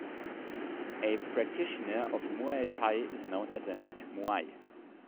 A practitioner of muay Thai is known as a "nak muay".